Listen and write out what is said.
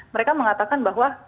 mereka mengatakan bahwa